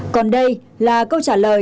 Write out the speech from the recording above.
còn đây là câu trả lời